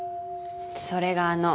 それがあの。